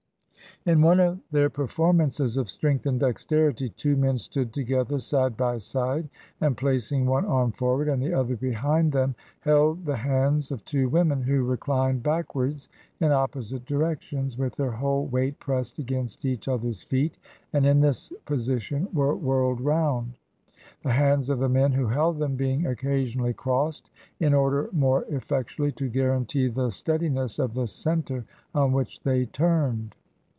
In one of their performances of strength and dexterity, two men stood together side by side, and placing one arm forward and the other behind them, held the hands of two women, who reclined backwards, in opposite di rections, with their whole weight pressed against each other's feet, and in this position were whirled round; the hands of the men who held them being occasion ally crossed, in order more effectually to guarantee the steadiness of the center on which they turned.